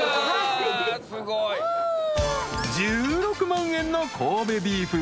［１６万円の神戸ビーフ。